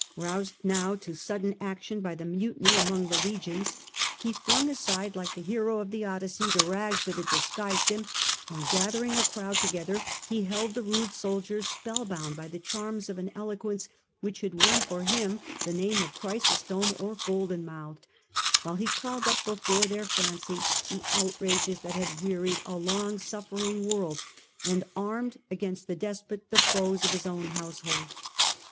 Roused now to sudden action by the mutiny among the legions, he flung aside, 6 A.D. The Age of the Antonines. like the hero of the Odyssey, the rags that had disguised him, and gathering a crowd together he held the rude soldiers spellbound by the charms of an eloquence which had won for him the name of Chrysostom or Golden mouthed, while he called up before their fancy the out rages that had wearied a long suffering world, and armed against the despot the foes of his own household.